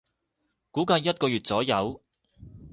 估計一個月左右